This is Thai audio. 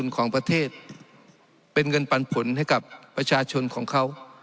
ของประเทศเป็นเงินปันผลให้กับประชาชนของเขา